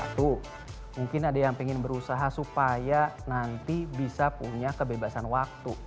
satu mungkin ada yang ingin berusaha supaya nanti bisa punya kebebasan waktu